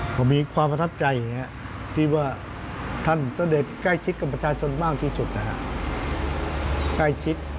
ผมมีความประทับใจที่ว่าท่านเสด็จใกล้คิดกับประชาชนมากที่สุด